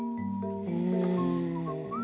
うん。